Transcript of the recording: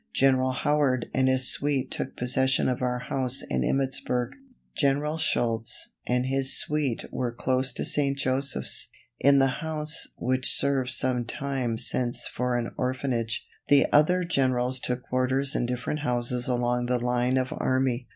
General Howard and his suite took possession of our house in Emmitsburg; General Schultz and his suite were close to St. Joseph's, in the house which served some time since for an orphanage; the other Generals took quarters in different houses along the line of army.